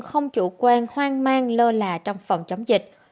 không chủ quan hoang mang lơ là trong phòng chống dịch